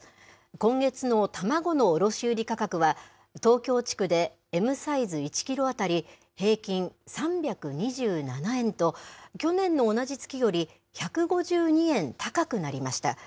今月の卵の卸売り価格は、東京地区でＭサイズ１キロ当たり平均３２７円と、去年の同じ月より１５２円高くなりました。